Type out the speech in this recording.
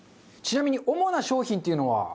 ちなみに主な商品っていうのは？